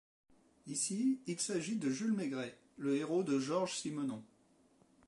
Ici, il s'agit de Jules Maigret, le héros de Georges Simenon.